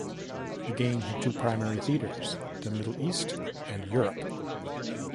The game had two primary theatres: the Middle East and Europe.